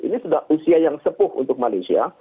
ini sudah usia yang sepuh untuk malaysia